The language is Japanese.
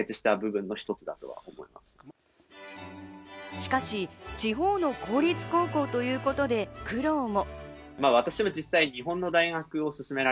しかし地方の公立高校ということで苦労も。